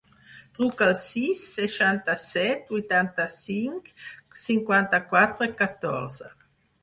Truca al sis, seixanta-set, vuitanta-cinc, cinquanta-quatre, catorze.